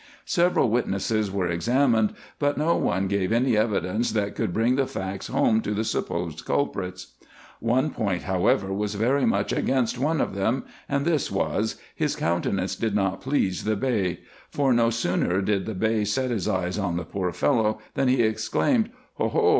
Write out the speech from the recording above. Several witnesses were examined, but no one gave any evidence that could bring the facts home to the supposed culprits. One point, however, was very much against one of them, and this was, his countenance did not please the Bey ; for no sooner did the Bey set his eyes on the poor fellow, than he exclaimed, " O ho